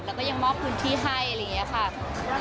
แล้วก็ยังมอบพื้นที่ให้อะไรอย่างนี้ค่ะ